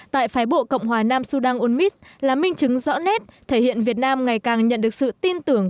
tại phái bộ cộng hòa nam sudan unmis là minh chứng rõ nét thể hiện việt nam ngày càng nhận được sự tin tưởng